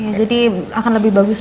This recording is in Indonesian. ya jadi akan lebih bagus